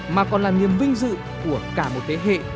mà còn là niềm vinh dự của cả một thế hệ